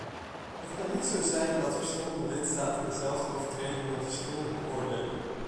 Het kan niet zo zijn dat verschillende lidstaten dezelfde overtredingen verschillend beoordelen.